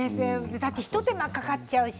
一手間かかっちゃうし。